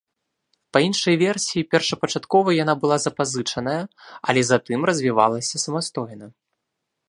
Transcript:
Па іншай версіі першапачаткова яна была запазычаная, але затым развівалася самастойна.